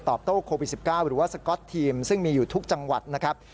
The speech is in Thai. โต้โควิด๑๙หรือว่าสก๊อตทีมซึ่งมีอยู่ทุกจังหวัดนะครับ